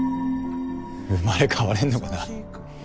生まれ変われんのかな。